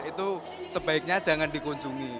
itu sebaiknya jangan dikunjungi